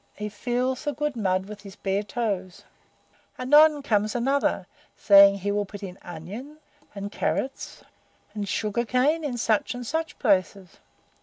He feels the good mud with his bare toes. Anon comes another, saying he will put onions, and carrots, and sugar cane in such and such places.